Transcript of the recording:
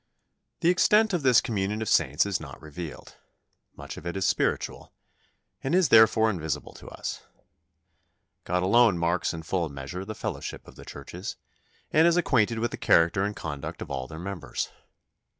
The extent of this Communion of the Saints is not revealed. Much of it is spiritual, and is therefore invisible to us. God alone marks in full measure the fellowship of the churches, and is acquainted with the character and conduct of all their members.